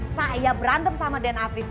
saya berantem sama den afif